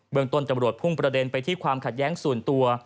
เมืองต้นตำรวจพุ่งประเด็นไปที่ความขัดแย้งส่วนตัว